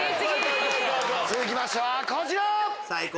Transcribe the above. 続きましてはこちら！